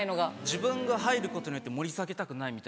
自分が入ることによって盛り下げたくないみたいな。